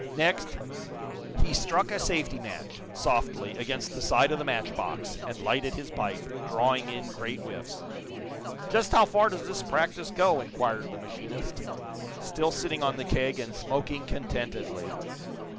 Next, he struck a safety match, softly, against the side of the match box, and lighted his pipe, drawing in great whiffs. "Just how far does this practice go!" inquired the machinist, still sitting on the keg and smoking contentedly.